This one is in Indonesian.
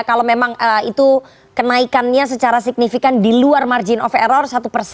kalau memang itu kenaikannya secara signifikan di luar margin of error